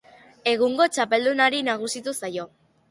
Egungo txapeldunari nagusitu zaio.